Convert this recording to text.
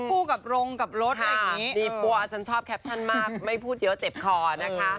ผู้กับโรงกับรถแบบนี้นี่ปัวฉันชอบแคปชั่นมากไม่พูดเยอะเจ็บคอนะคะ